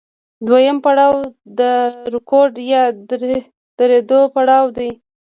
دویم پړاو د رکود یا درېدو پړاو دی